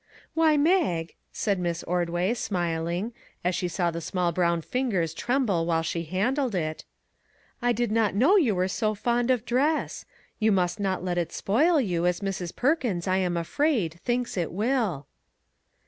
" Why, Mag," said Miss Ordway, smiling, as she saw the small brown ringers tremble while she handled it ; "I did not know you were so fond of dress. You must not let it spoil you, as Mrs. Perkins, I am afraid, thinks it will."